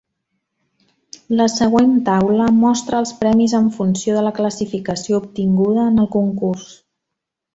La següent taula mostra els premis en funció de la classificació obtinguda en el concurs.